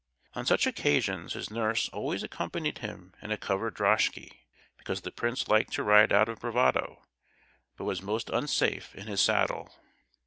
On such occasions his nurse always accompanied him in a covered droshky, because the prince liked to ride out of bravado, but was most unsafe in his saddle.